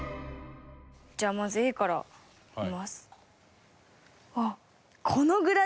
じゃあまずＡから見ます。